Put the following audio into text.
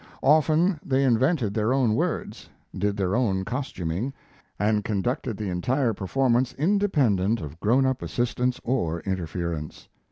Often they invented their own words, did their own costuming, and conducted the entire performance independent of grown up assistance or interference.